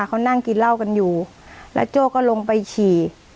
เขานั่งกินเหล้ากันอยู่แล้วโจ้ก็ลงไปฉี่